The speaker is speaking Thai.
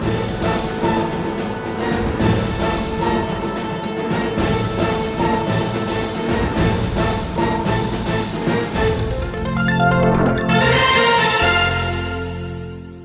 สวัสดีครับ